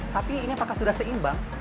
tapi ini apakah sudah seimbang